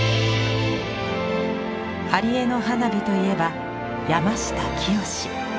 貼絵の花火といえば山下清。